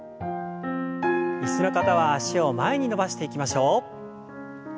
椅子の方は脚を前に伸ばしていきましょう。